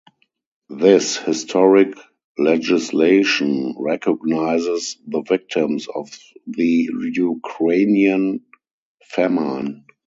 This historic legislation recognizes the victims of the Ukrainian famine.